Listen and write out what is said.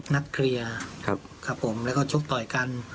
นัดเคลียร์ครับผมแล้วก็ชกต่อยกัน